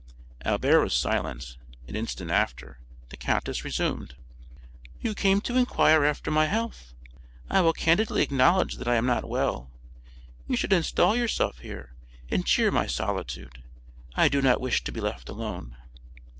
Albert was silent; an instant after, the countess resumed: "You came to inquire after my health; I will candidly acknowledge that I am not well. You should install yourself here, and cheer my solitude. I do not wish to be left alone."